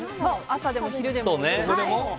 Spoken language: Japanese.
朝でも昼でも。